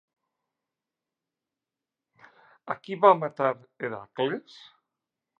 A qui va matar Hèracles?